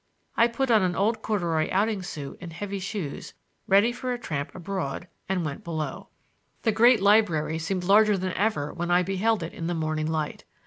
I put on an old corduroy outing suit and heavy shoes, ready for a tramp abroad, and went below. The great library seemed larger than ever when I beheld it in the morning light.